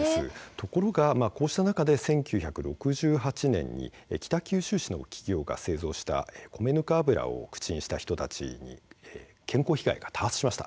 ところが１９６８年、北九州市の企業が製造した米ぬか油を口にした人たちに健康被害が多発しました。